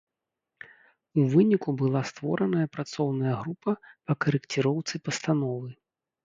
У выніку была створаная працоўная група па карэкціроўцы пастановы.